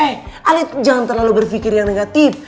eh ali jangan terlalu berpikir yang negatif